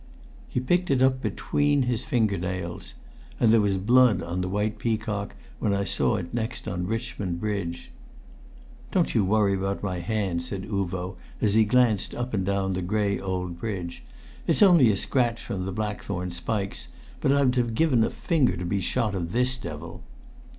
He picked it up between his finger nails. And there was blood on the white peacock when I saw it next on Richmond Bridge. "Don't you worry about my hand," said Uvo as he glanced up and down the grey old bridge. "It's only a scratch from the blackthorn spikes, but I'd have given a finger to be shot of this devil!"